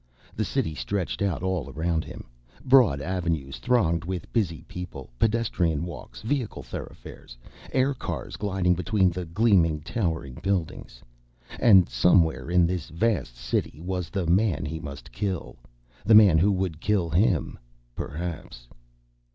The city stretched out all around him—broad avenues thronged with busy people, pedestrian walks, vehicle thoroughfares, aircars gliding between the gleaming, towering buildings. And somewhere in this vast city was the man he must kill. The man who would kill him, perhaps.